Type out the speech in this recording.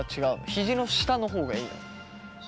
ヒジの下の方がいいの？